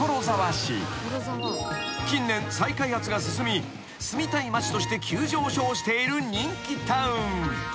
［近年再開発が進み住みたい町として急上昇している人気タウン］